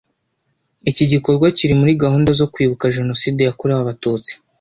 Iki gikorwa kiri muri gahunda zo kwibuka Jenoside yakorewe abatutsi